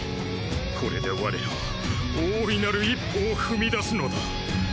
これで我らは大いなる一歩を踏み出すのだ。